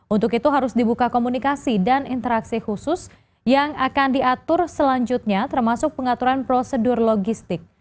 untuk itu harus dibuka komunikasi dan interaksi khusus yang akan diatur selanjutnya termasuk pengaturan prosedur logistik